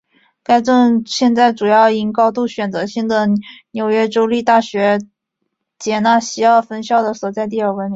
该镇现在主要因高度选择性的纽约州立大学杰纳西奥分校的所在地而闻名。